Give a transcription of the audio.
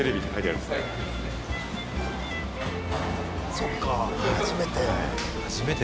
そっか初めて。